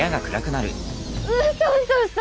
うそうそうそ！